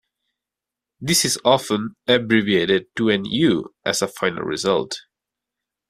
This is often abbreviated to a 'U' as a final result.